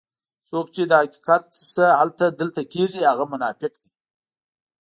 څوک چې له حقیقت نه هلته دلته کېږي هغه منافق دی.